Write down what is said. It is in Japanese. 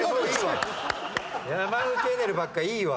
山内エネルばっかいいわ。